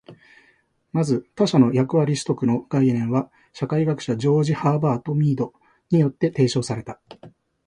まず、「他者の役割取得」の概念は社会学者ジョージ・ハーバート・ミードによって提唱された。